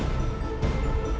aku akan buktikan